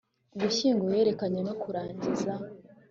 ugushyingo yerekeranye no kurangiza